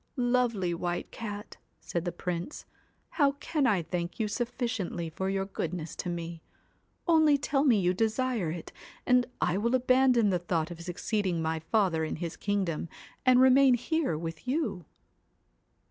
'Lovely White Cat,' said the Prince, 'how can I thank you sufficiently for your goodness to me ? Only tell me you desire it, and I will abandon the thought of succeeding my father in his kingdom and remain here with you.'